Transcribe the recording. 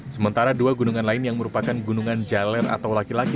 sementara dua gunungan lain yang merupakan gunungan jaler atau laki laki